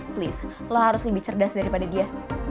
please lo harus lebih cerdas daripada dia